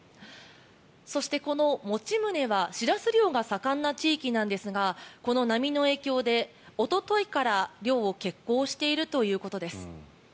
そして、この用宗はシラス漁が盛んな地域なんですがこの波の影響でおとといから漁を欠航しているということです。